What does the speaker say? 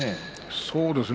そうですね。